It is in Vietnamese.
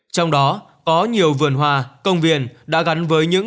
trong đó có nhiều vườn hoa công viên đã gắn với những